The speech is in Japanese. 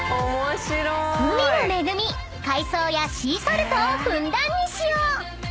［海の恵み海藻やシーソルトをふんだんに使用］